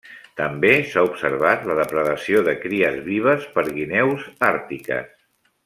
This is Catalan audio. També s'ha observat la depredació de cries vives per guineus àrtiques.